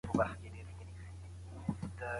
سفیرانو به سوداګریزي لاري خلاصولې.